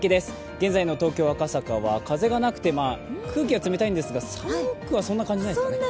現在の東京・赤坂は風がなくて、空気は冷たいんですが寒くはそんなに感じないですね。